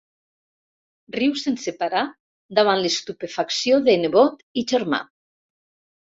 Riu sense parar, davant l'estupefacció de nebot i germà.